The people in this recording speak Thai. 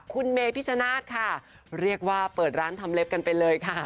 คุณเมพิชชนาธิ์ค่ะเรียกว่าเปิดร้านทำเล็บกันไปเลยค่ะ